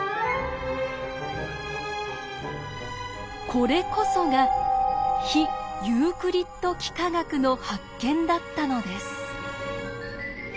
これこそが非ユークリッド幾何学の発見だったのです。